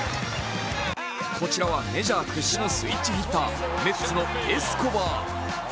こちらはメジャー屈指のスイッチヒッターメッツのエスコバー。